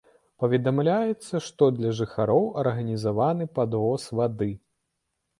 Паведамляецца, што для жыхароў арганізаваны падвоз вады.